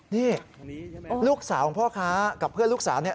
นี่ลูกสาวของพ่อค้ากับเพื่อนลูกสาวเนี่ย